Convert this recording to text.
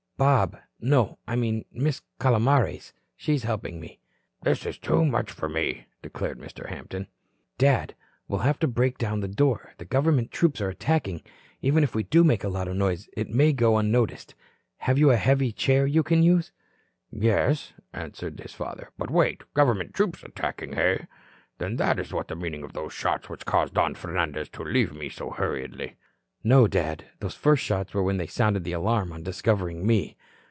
"Bob. No. I mean Miss Calomares. She's helping me." "This is too much for me," declared Mr. Hampton. "Dad, we'll have to break down the door. The government troops are attacking. Even if we do make a lot of noise, it may go unnoticed. Have you a heavy chair you can use?" "Yes," answered his father. "But, wait. Government troops attacking, hey? Then that is the meaning of those shots which caused Don Fernandez to leave me so hurriedly." "No, Dad, those first shots were when they sounded the alarm on discovering me."